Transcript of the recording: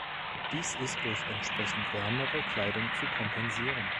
Dies ist durch entsprechend wärmere Kleidung zu kompensieren.